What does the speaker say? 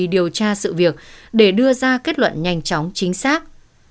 điều tra sự việc để đưa ra kết luận nhanh chóng chính xác